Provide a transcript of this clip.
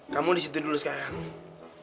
kamu disitu dulu sekarang